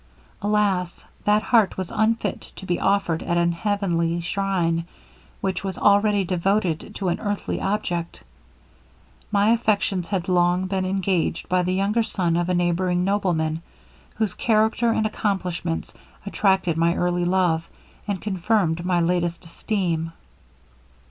Alas! that heart was unfit to be offered at an heavenly shrine, which was already devoted to an earthly object. My affections had long been engaged by the younger son of a neighbouring nobleman, whose character and accomplishments attracted my early love, and confirmed my latest esteem.